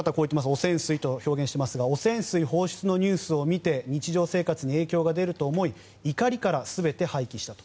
汚染水と表現していますが汚染水放出のニュースを見て日常生活に影響が出ると思い怒りから全て廃棄したと。